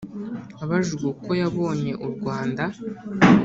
Abajijwe uko yabonye u Rwanda